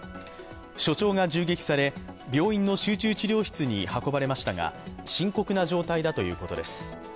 所長が銃撃され病院の集中治療室に運ばれましたが深刻な状態だということです。